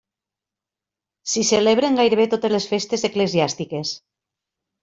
S'hi celebren gairebé totes les festes eclesiàstiques.